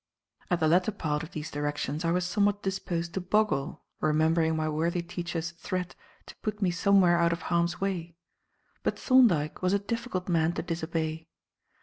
At the latter part of these directions I was somewhat disposed to boggle, remembering my worthy teacher's threat to put me somewhere out of harm's way. But Thorndyke was a difficult man to disobey.